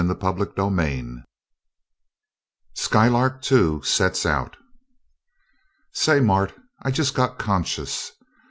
CHAPTER III Skylark Two Sets Out "Say, Mart, I just got conscious!